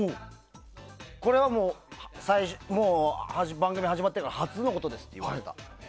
これはもう番組が始まってから初のことですって言われた。